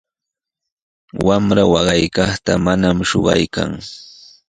Wamra waqaykaqta maman shuqaykan.